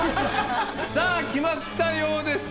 さあ決まったようです。